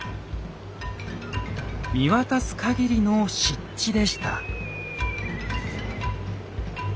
見渡す限りの湿地でした。